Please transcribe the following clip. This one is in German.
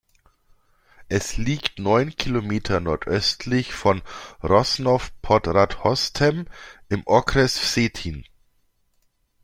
Es liegt neun Kilometer nordöstlich von Rožnov pod Radhoštěm im Okres Vsetín.